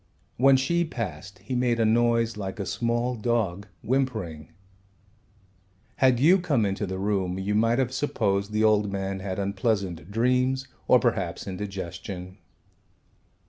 When she passed he made a noise like a small dog whimpering. Had you come into the room you might have supposed the old man had unpleasant dreams or perhaps indigestion.